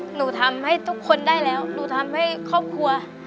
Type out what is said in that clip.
หนูทำให้ทุกคนได้แล้วหนูทำให้ครอบครัว